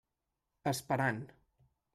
Esperant.